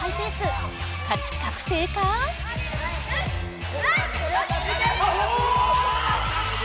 勝ち確定か⁉お！